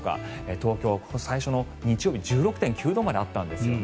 東京は最初の日曜日１６．９度まであったんですね